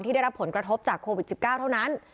ได้รับผลกระทบจากโควิด๑๙เท่านั้น